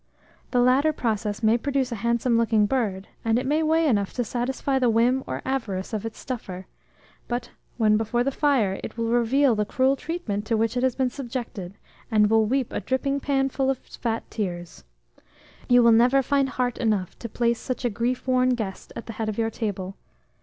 The latter process may produce a handsome looking bird, and it may weigh enough to satisfy the whim or avarice of its stuffer; but, when before the fire, it will reveal the cruel treatment to which it has been subjected, and will weep a drippingpan ful of fat tears. You will never find heart enough to place such a grief worn guest at the head of your table.